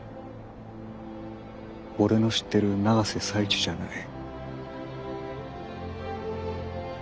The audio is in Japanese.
俺の知ってる永瀬財地じゃない。